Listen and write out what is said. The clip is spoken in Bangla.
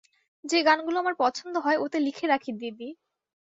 যে গানগুলো আমার পছন্দ হয় ওতে লিখে রাখি দিদি।